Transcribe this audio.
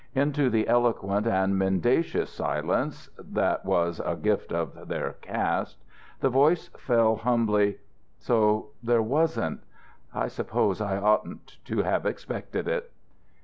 Into the eloquent and mendacious silence that was a gift of their caste the voice fell humbly: "So there wasn't? I suppose I oughtn't to have expected it."